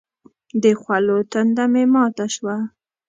د خولو تنده مې ماته شوه.